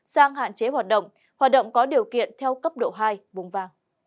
sang hạn chế hoạt động hoạt động có điều kiện theo cấp độ hai vùng vàng